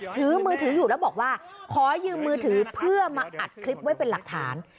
ถือมือถืออยู่แล้วบอกว่าขอยืมมือถือเพื่อมาอัดคลิปไว้เป็นหลักฐาน